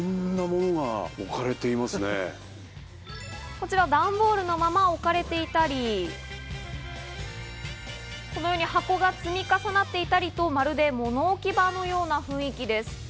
こちら、段ボールのまま置かれていたり、このように箱が積み重なっていたりと、まるで物置き場のような雰囲気です。